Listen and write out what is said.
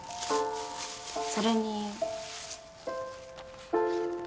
それに。